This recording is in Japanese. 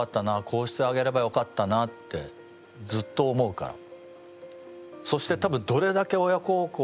こうしてあげればよかったなってずっと思うから。